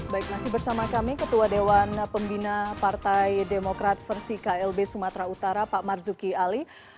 baik masih bersama kami ketua dewan pembina partai demokrat versi klb sumatera utara pak marzuki ali